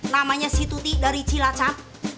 namanya si tuti dari cilacap